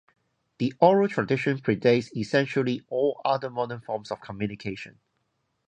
The oral tradition predates essentially all other modern forms of communication.